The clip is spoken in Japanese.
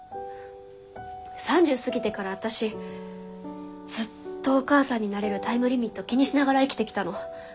３０過ぎてから私ずっとお母さんになれるタイムリミット気にしながら生きてきたの。